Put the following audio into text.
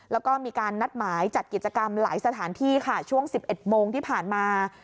แล้วก็มีการนัดหมายจัดกิจกรรมหลายสถานที่ค่ะช่วง๑๑โมงที่ผ่านมา